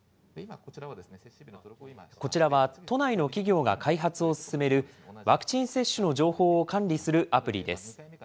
こちらは、都内の企業が開発を進めるワクチン接種の情報を管理するアプリです。